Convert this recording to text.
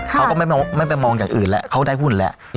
เขาก็ไม่ไปมองอย่างอื่นแล้วเขาได้หุ้นแหละ